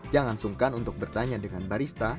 jangan sungkan untuk bertanya dengan barista